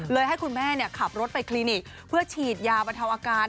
ให้คุณแม่ขับรถไปคลินิกเพื่อฉีดยาบรรเทาอาการ